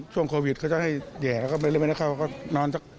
ช่วงโควิดเขาจะให้แห่แล้วก็ไปเล่นไปแล้วเขาก็นอนสัก